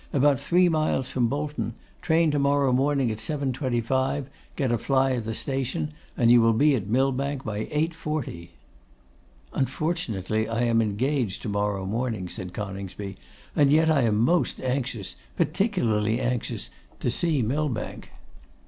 About three miles from Bolton; train to morrow morning at 7.25, get a fly at the station, and you will be at Millbank by 8.40.' 'Unfortunately I am engaged to morrow morning,' said Coningsby, 'and yet I am most anxious, particularly anxious, to see Millbank.